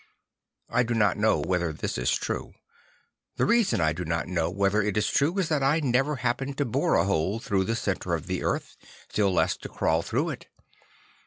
I do not know whether this is true. The reason I do not know whether it is true is that I never happened to bore a hole through the centre of the earth, still less to crawl through it.